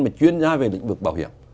mà chuyên gia về lĩnh vực bảo hiểm